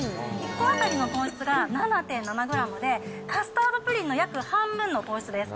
１個当たりの糖質が７．７グラムで、カスタードプリンの約半分の糖質です。